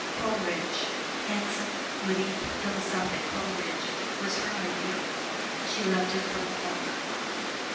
Coleridge handsome, witty, philosophic Coleridge was her ideal. She loved him from afar.